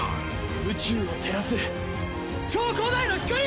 宇宙を照らす超古代の光！